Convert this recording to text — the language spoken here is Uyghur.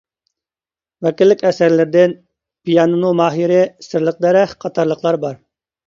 ۋەكىللىك ئەسەرلىرىدىن: «پىيانىنو ماھىرى» ، «سىرلىق دەرەخ» قاتارلىقلار بار.